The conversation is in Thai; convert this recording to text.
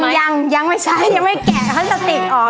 ยังยังไม่ใช่ยังไม่แกะพลาสติกออก